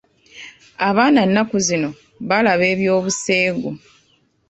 Abaana nnaku zino balaba eby'obuseegu.